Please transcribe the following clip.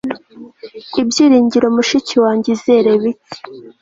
Ibyiringiro mushiki wanjye izere bike